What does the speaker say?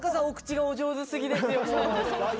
お口がお上手すぎですよ。